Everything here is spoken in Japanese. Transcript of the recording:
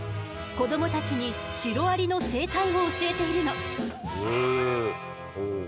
子どもたちにシロアリの生態を教えているの。